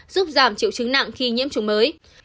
giúp giảm triệu chứng nặng khi nhiễm chủng mới